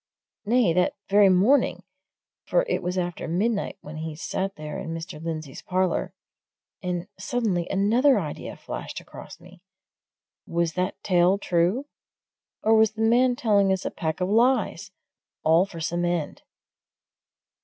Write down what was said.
nay, that very morning, for it was after midnight when he sat there in Mr. Lindsey's parlour. And, suddenly, another idea flashed across me Was that tale true, or was the man telling us a pack of lies, all for some end?